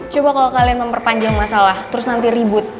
coba kalau kalian memperpanjang masalah terus nanti ribut